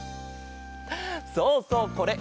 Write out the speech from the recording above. そうそうこれ。